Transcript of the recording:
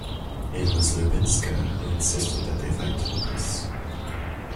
It was Lubinska who insisted that they fight topless.